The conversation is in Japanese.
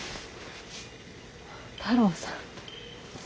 太郎さん。